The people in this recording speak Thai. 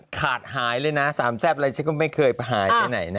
ขาดหายเลยนะสามแซ่บอะไรฉันก็ไม่เคยหายไปไหนนะ